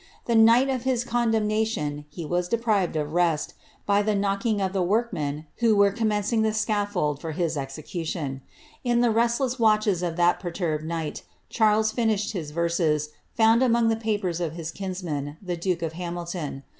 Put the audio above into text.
The night of his condemnation he was deprived d rest, by the knocking of the workmen who were commencing the sof fold for his execution.' In the restless watches of that perturbed night Charles finished his verses, found among the papers of his kinsman, th( duke of Hamilton.